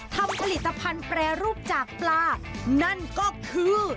ทำผลิตภัณฑ์แปรรูปจากปลานั่นก็คือ